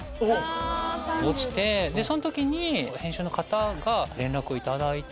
その時に編集の方が連絡を頂いて。